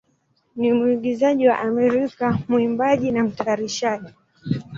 ni mwigizaji wa Amerika, mwimbaji, na mtayarishaji.